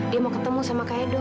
dia mau ketemu sama kak edo